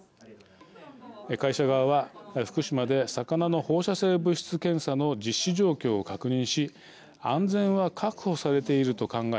会社側は福島で魚の放射性物質検査の実施状況を確認し安全は確保されていると考え